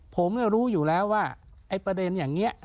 ผมรู้อยู่แล้วว่าไอ้ประเด็นอย่างนี้